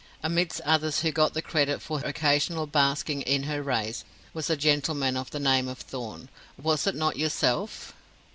Amidst others who got the credit for occasional basking in her rays, was a gentleman of the name of Thorn. Was it not yourself?"